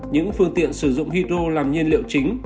những phương tiện sử dụng hydro làm nhiên liệu chính